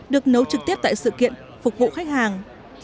được nấu trực tiếp tại sự kiện phục vụ khách hàng